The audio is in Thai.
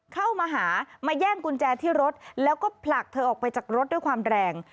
เข้ามาหามาแย่งกุญแจที่รถแล้วก็ผลักเธอออกไปจากรถด้วยความแรง